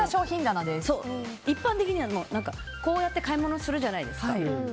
一般的にはこうやって買い物するじゃないですか。